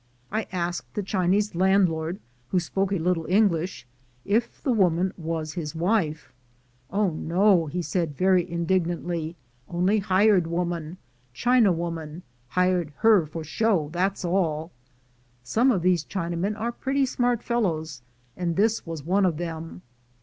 I asked the Chinese landlord, who spoke a little English, if the woman was his wife. "Oh, no," SONORA AND THE MEXICANS 313 he said, very indignantly, "only hired woman — China woman; hired her for show — that's all." Some of these Chinamen are pretty smart fellows, and this was one of them.